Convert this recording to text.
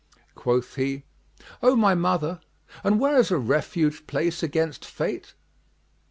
Quoth he, "O my mother, and where is a refuge place against Fate?